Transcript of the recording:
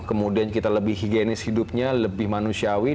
kemudian kita lebih higienis hidupnya lebih manusiawi